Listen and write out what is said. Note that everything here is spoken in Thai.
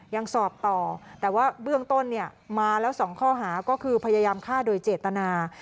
ยังสอบต่อแต่ว่าเบื้องต้นเนี่ยมาแล้ว๒ข้อหาก็คือพยายามฆ่าโดยเจตนา